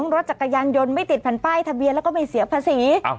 รถจักรยานยนต์ไม่ติดแผ่นป้ายทะเบียนแล้วก็ไม่เสียภาษี